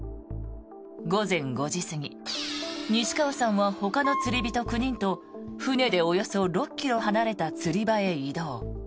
午前５時過ぎ、西川さんはほかの釣り人９人と船で、およそ６ｋｍ離れた釣り場へ移動。